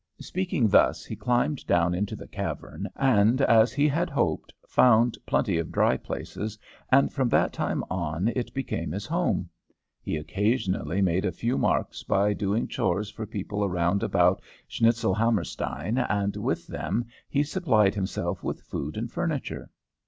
"Speaking thus, he climbed down into the cavern, and, as he had hoped, found plenty of dry places, and from that time on it became his home. He occasionally made a few marks by doing chores for people around about Schnitzelhammerstein, and with them he supplied himself with food and furniture.